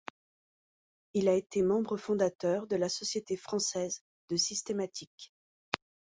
Il a été membre fondateur de la Société Française de Systématique.